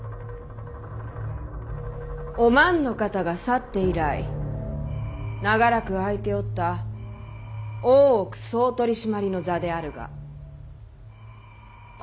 お万の方が去って以来長らく空いておった大奥総取締の座であるがこ